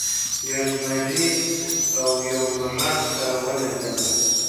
یو زمري او یو موږک سره ولیدل.